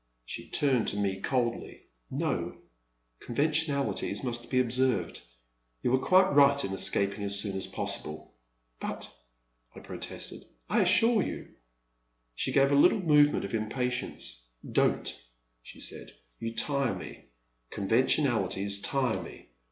She turned to me coldly. No, — conventional ities must be observed. You were quite right in escaping as soon as possible." But,'' I protested, *' I assure you " She gave a little movement of impatience. Don't," she said, you tire me — convention alities tire me.